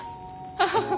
アハハハ。